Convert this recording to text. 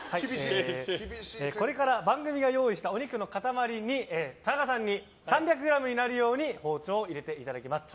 これから番組が用意したお肉の塊に田中さんに３００ｇになるよう包丁を入れていただきます。